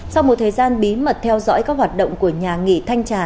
sau một thời gian bí mật theo dõi các hoạt động của nhà nghỉ thanh trà